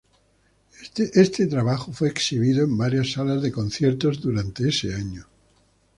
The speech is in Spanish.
Este trabajo fue exhibido en varias salas de conciertos durante ese año.